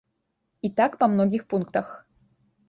І так па многіх пунктах.